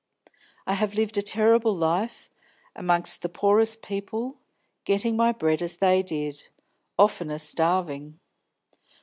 I have lived a terrible life, among the poorest people, getting my bread as they did; oftener starving.